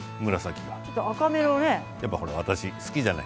ほら、私、好きじゃない？